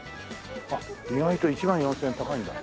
あっ意外と１万４０００円高いんだ。